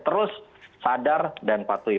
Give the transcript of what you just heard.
terus sadar dan patuhi